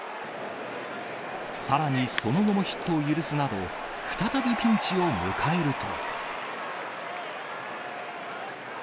さらにその後もヒットを許すなど、再びピンチを迎えると。